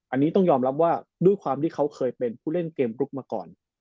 อันนี้ต้องยอมรับว่าด้วยความที่เขาเคยเป็นผู้เล่นเกมกรุ๊ปมาก่อน